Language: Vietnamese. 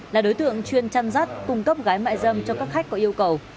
là đối tượng chuyên chăn rắt cung cấp gái mại dâm cho các khách có yêu cầu